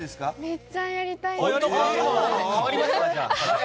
めっちゃやりたい。